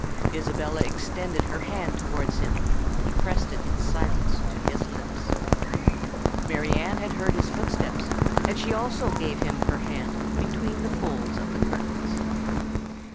Isabella extended her hand towards him: he pressed it in silence to his lips. Mary Anne had heard his footsteps; and she also gave him her hand between the folds of the curtains.